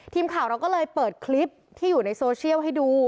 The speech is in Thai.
ทีมข่าวเราก็เลยเปิดคลิปที่อยู่ในโซเชียลให้ดู